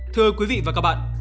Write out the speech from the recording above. thưa quý vị và các bạn